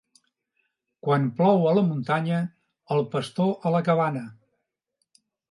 Quan plou a la muntanya, el pastor a la cabana.